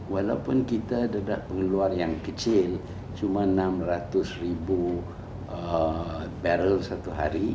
walaupun kita dapat pengeluar yang kecil cuma enam ratus ribu barrel satu hari